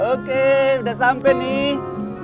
oke udah sampai nih